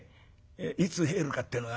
いつ入るかってのがね。